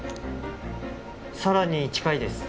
さらに近いです